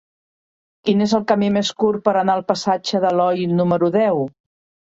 Quin és el camí més curt per anar al passatge d'Aloi número deu?